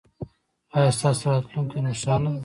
ایا ستاسو راتلونکې روښانه ده؟